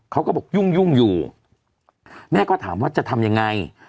เขาก็บอกยุ่งอยู่แม่ก็ถามว่าจะทำยังไง